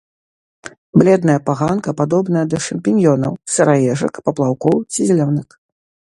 Бледная паганка падобная да шампіньёнаў, сыраежак, паплаўкоў ці зялёнак.